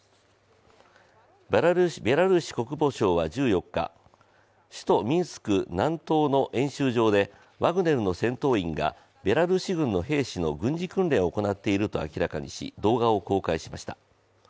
ベラルーシ国防省は１４日首都ミンスク南東の演習場でワグネルの戦闘員がベラルーシ軍の兵士の軍事訓練を行っていると明らかにし動画を公開しました。